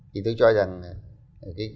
thì tôi cho rằng là